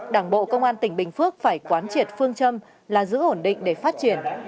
đảng bộ công an tỉnh bình phước phải quán triệt phương châm là giữ ổn định để phát triển